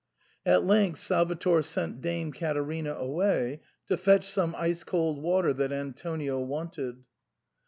At length Salvator sent Dame Caterina away, to fetch some ice cold water that An tonio wanted.